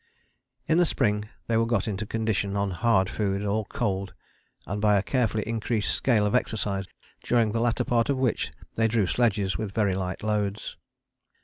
In the spring they were got into condition on hard food all cold, and by a carefully increased scale of exercise during the latter part of which they drew sledges with very light loads.